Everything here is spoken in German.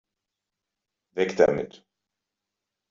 Weg damit!